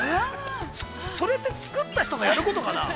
◆それって、つくった人がやることかな。